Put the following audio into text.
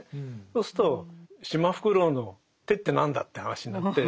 そうするとシマフクロウの手って何だって話になって。